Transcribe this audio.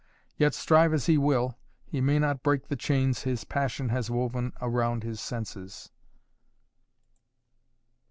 Yet strive as he will, he may not break the chains his passion has woven around his senses."